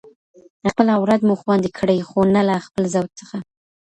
خپل عورت مو خوندي کړئ، خو نه له خپل زوج څخه